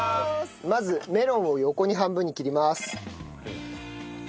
まずメロンを横に半分に切ります。